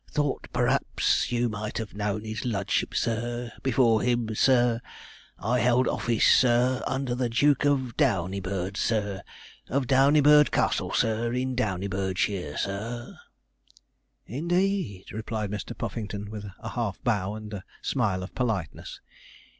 'Thought p'r'aps you might have known his ludship, sir. Before him, sir, I held office, sir, under the Duke of Downeybird, sir, of Downeybird Castle, sir, in Downeybirdshire, sir.' 'Indeed!' replied Mr. Puffington, with a half bow and a smile of politeness.